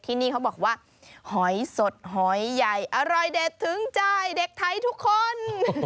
ที่นี่เขาบอกว่าหอยสดหอยใหญ่อร่อยเด็ดถึงใจเด็กไทยทุกคน